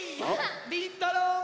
りんたろうも！